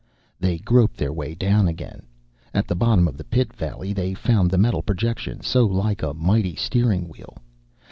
They groped their way down again. At the bottom of the pit valley they found the metal projection, so like a mighty steering wheel.